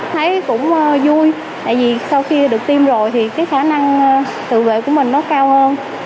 thấy cũng vui tại vì sau khi được tiêm rồi thì cái khả năng tự vệ của mình nó cao hơn